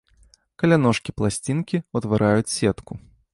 Каля ножкі пласцінкі ўтвараюць сетку.